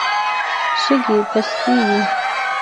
شګې پستې وې.